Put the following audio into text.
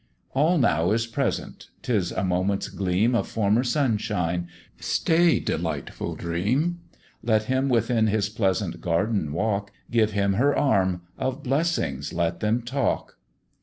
All now is present; 'tis a moment's gleam Of former sunshine stay, delightful dream! Let him within his pleasant garden walk, Give him her arm, of blessings let them talk.